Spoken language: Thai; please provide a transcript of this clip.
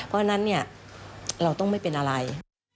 เพราะฉะนั้นเนี่ยเราต้องไม่เป็นอะไร